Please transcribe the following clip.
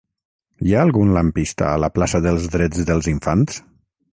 Hi ha algun lampista a la plaça dels Drets dels Infants?